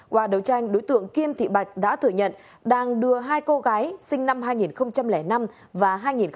qua đấu tranh đối tượng kim thị bạch đã thừa nhận đang đưa hai cô gái sinh năm hai nghìn năm và hai nghìn một mươi